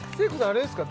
あれですか？